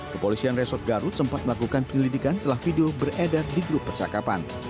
ke polisi yang resort garut sempat melakukan penyelidikan setelah video beredar di grup persakapan